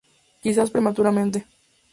Quizá prematuramente.